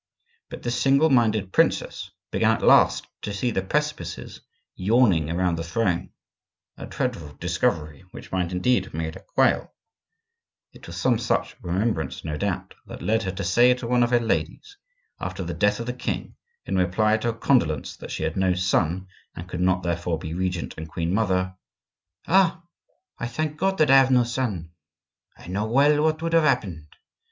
But this single minded princess began at last to see the precipices yawning around the throne,—a dreadful discovery, which might indeed have made her quail; it was some such remembrance, no doubt, that led her to say to one of her ladies, after the death of the king, in reply to a condolence that she had no son, and could not, therefore, be regent and queen mother: "Ah! I thank God that I have no son. I know well what would have happened.